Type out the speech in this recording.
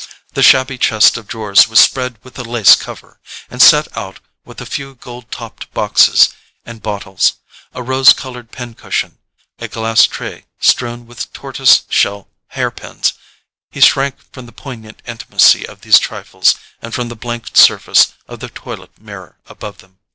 The shabby chest of drawers was spread with a lace cover, and set out with a few gold topped boxes and bottles, a rose coloured pin cushion, a glass tray strewn with tortoise shell hair pins—he shrank from the poignant intimacy of these trifles, and from the blank surface of the toilet mirror above them.